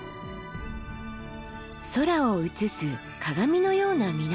空を映す鏡のような水面。